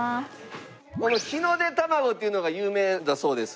この日の出たまごというのが有名だそうです。